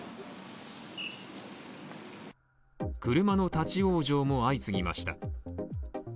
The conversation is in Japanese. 車の立ち往生も相次ぎました。